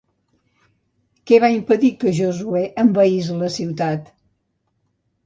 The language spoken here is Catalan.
Què va impedir que Josuè envaís la ciutat?